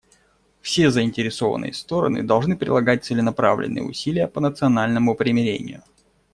Все заинтересованные стороны должны прилагать целенаправленные усилия по национальному примирению.